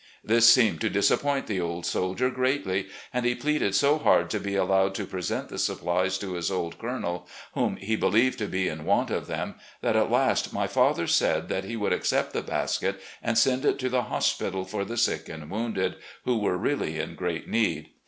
This seemed to disappoint the old soldier greatly, and he pleaded so hard to be allowed to present the supplies to his old colonel, whom he believed to be in want of them, that at last my father said that he would accept the basket and send it to the hospital, for the sick and wounded, who were really in great need.